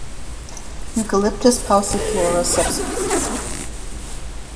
Eucalyptus pauciflora subsp.